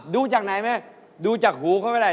ดูจากไหนแม่ดูจากหูเขาไม่ได้